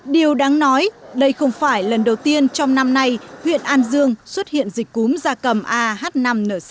điều đáng nói đây không phải lần đầu tiên trong năm nay huyện an dương xuất hiện dịch cúm da cầm ah năm n sáu